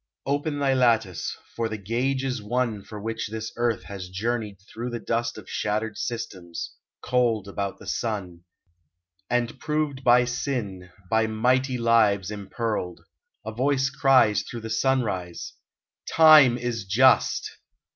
Open thy lattice, for the gage is won For which this earth has journeyed through the dust Of shattered systems, cold about the sun ; And proved by sin, by mighty lives impearled, A voice cries through the sunrise :" Time is just!